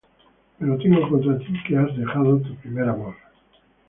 Pero tengo contra ti que has dejado tu primer amor.